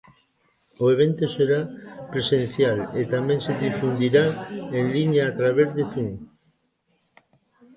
O evento será presencial e tamén se difundirá en liña a través de Zoom.